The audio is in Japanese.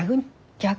逆？